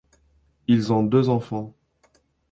Ils ont deux enfants.